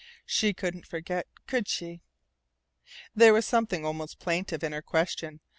She couldn't forget, could she?" There was something almost plaintive in her question.